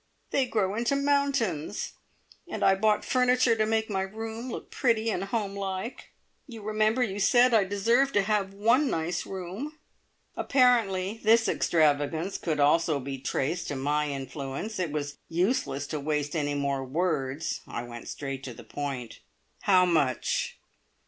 They grow into mountains! And I bought furniture to make my room look pretty and homelike. You remember you said I deserved to have one nice room!" Apparently this extravagance also could be traced to my influence! It was useless to waste any more words. I went straight to the point. "How much?"